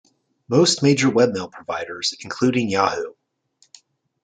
Most major webmail providers, including Yahoo!